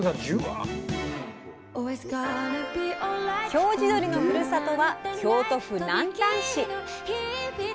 京地どりのふるさとは京都府南丹市。